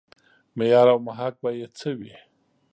معیار او محک به یې څه وي.